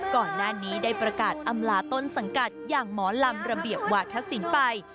ก่อนหน้านี้ได้ประกาศอำลาต้นสังกัดอย่างหมอลำระเบียบวาธศิลป์ไป